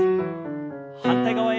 反対側へ。